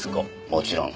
もちろん。